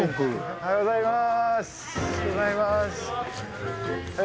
おはようございます。